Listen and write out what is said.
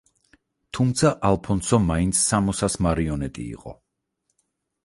თუმცა, ალფონსო მაინც სომოსას მარიონეტი იყო.